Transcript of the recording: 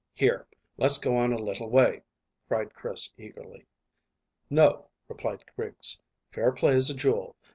"Here, let's go on a little way," cried Chris eagerly. "No," replied Griggs; "fair play's a jewel.